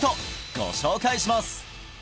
ご紹介します